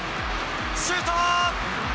シュート！